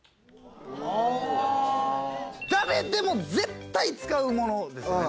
・あぁ・誰でも絶対使うものですよね。